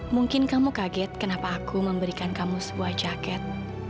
mungkin kamu kaget kenapa aku memberikan kamu sebuah jaket